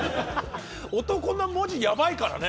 男闘呼の文字やばいからね。